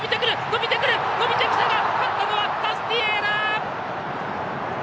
伸びてきたが勝ったのはタスティエーラ！